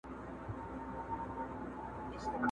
له ناكامه يې ويل پرې تحسينونه؛